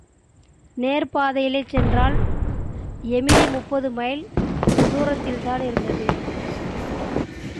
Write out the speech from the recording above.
நேர் பாதையிலே சென்றால், எமிலி முப்பது மைல் தூரத்தில்தான் இருந்தது.